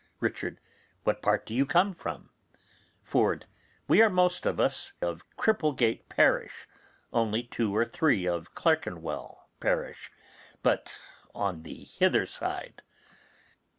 Richard. What part do you come from? Ford. We are most of us of Cripplegate parish, only two or three of Clerkenwell parish, but on the hither side.